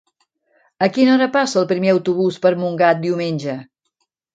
A quina hora passa el primer autobús per Montgat diumenge?